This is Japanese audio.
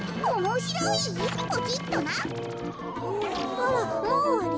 あらもうおわり？